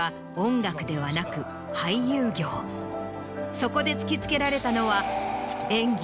そこで突きつけられたのは。